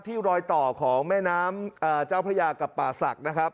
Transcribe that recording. รอยต่อของแม่น้ำเจ้าพระยากับป่าศักดิ์นะครับ